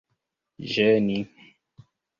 ĝeni